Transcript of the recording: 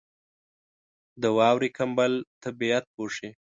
• د واورې کمبل طبیعت پوښي.